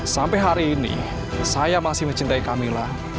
sampai hari ini saya masih mencintai kamila